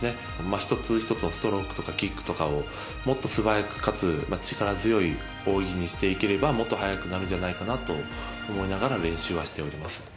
一つ一つのストロークとかキックとかをもっと素早くかつ力強い泳ぎにしていければもっと速くなるんじゃないかと思いながら練習はしております。